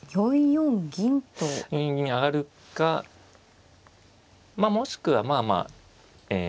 ４四銀に上がるかもしくはまあまあえ